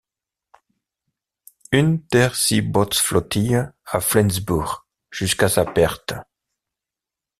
Unterseebootsflottille à Flensburg jusqu'à sa perte.